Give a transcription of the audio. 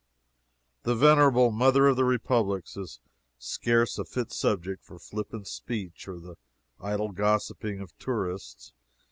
The venerable Mother of the Republics is scarce a fit subject for flippant speech or the idle gossipping of tourists.